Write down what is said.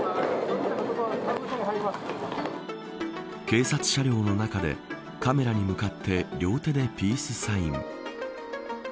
警察車両の中でカメラに向かって両手でピースサイン。